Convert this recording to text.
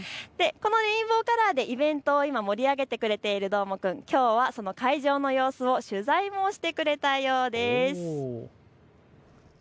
このレインボーカラーでイベントを盛り上げてくれているどーもくん、きょうはその会場の様子も取材してくれたようです。